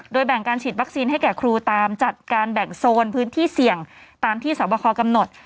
แบ่งการฉีดวัคซีนให้แก่ครูตามจัดการแบ่งโซนพื้นที่เสี่ยงตามที่สอบคอกำหนด